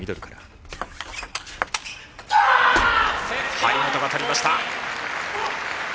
張本が取りました。